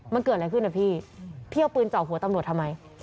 มันเกิดอะไรขึ้นนะพี่พี่เอาปืนเจาะหัวตำรวจทำไม